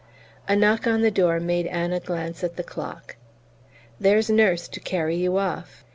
A knock on the door made Anna glance at the clock. "There's Nurse to carry you off."